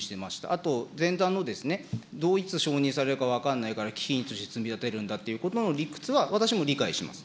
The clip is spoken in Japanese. あと、前段のどう、いつ承認できるか分からないから、基金を積み立てるんだということの理屈は、私も理解します。